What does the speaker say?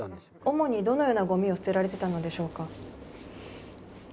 主にどのようなゴミを捨てられてたのでしょうか？